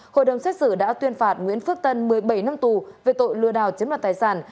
hội đồng xét xử đã tuyên phạt nguyễn phước tân một mươi bảy năm tù về tội lừa đảo chiếm đoạt tài sản